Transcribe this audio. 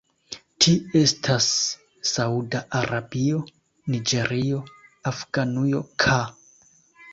Ti estas Sauda Arabio, Niĝerio, Afganujo ka.